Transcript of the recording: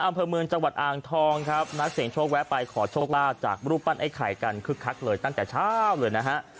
อำเภอเมืองจังหวัดอ่างทองครับนักเสียงโชคแวะไปขอโชคลาภจากรูปปั้นไอ้ไข่กันคึกคักเลยตั้งแต่เช้าเลยนะฮะ